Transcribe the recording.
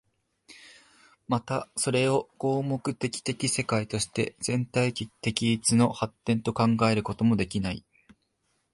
またそれを合目的的世界として全体的一の発展と考えることもできない。